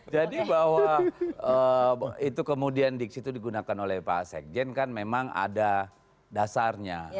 jadi bahwa itu kemudian digunakan oleh pak sekjen kan memang ada dasarnya